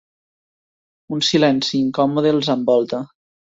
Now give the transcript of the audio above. Un silenci incòmode els envolta.